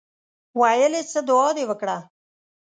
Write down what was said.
ویل یې څه دعا دې وکړه.